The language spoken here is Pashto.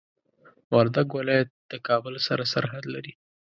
وردګ ولايت د کابل سره سرحد لري.